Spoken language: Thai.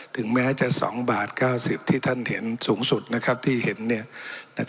ถึงแม้จะ๒บาท๙๐ที่ท่านเห็นสูงสุดที่เห็น